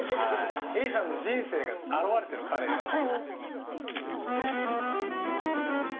えりさんの人生が表れているカレーなんです。